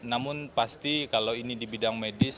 namun pasti kalau ini di bidang medis